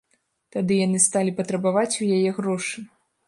Тады яны сталі патрабаваць у яе грошы.